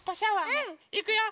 うん！いくよ！